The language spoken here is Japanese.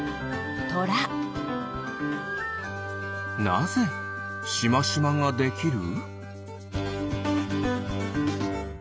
なぜしましまができる？